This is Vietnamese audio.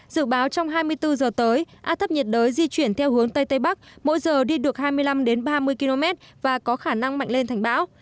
dự báo trong hai mươi bốn giờ tới áp thấp nhiệt đới di chuyển theo hướng tây tây bắc mỗi giờ đi được hai mươi năm ba mươi km và có khả năng mạnh lên thành bão